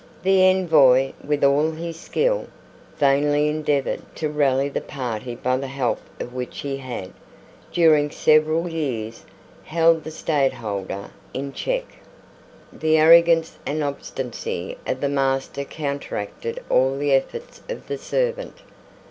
The Envoy, with all his skill, vainly endeavoured to rally the party by the help of which he had, during several years, held the Stadtholder in check. The arrogance and obstinacy of the master counteracted all the efforts of the servant.